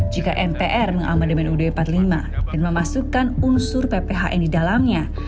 jika mpr mengamandemen ud empat puluh lima dan memasukkan unsur pphn di dalamnya